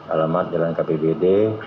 alamat jalan kpbd